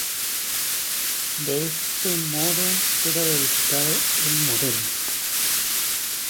De este modo queda verificado el modelo.